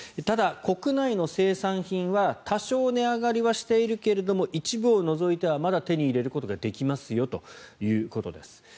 ただ、国内の生産品は多少値上がりはしているけれども一部を除いてはまだ手に入れることができますよということです。